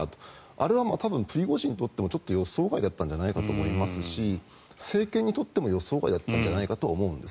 あれはプリゴジンにとってもちょっと予想外だったんじゃないかと思いますし政権にとっても予想外だったんじゃないかと思うんです。